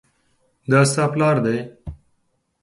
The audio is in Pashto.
دا ستا پلار دی؟